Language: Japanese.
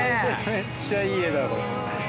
めっちゃいい画だこれ。